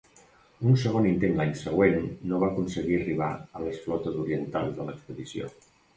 Un segon intent l'any següent no va aconseguir arribar a les flotes orientals de l'expedició.